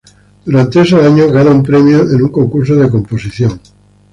Durante esos años gana un premio en un concurso de composición.